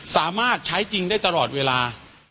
สามารถใช้จริงได้ตลอดเวลา